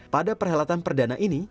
pada perhelatan perdana ini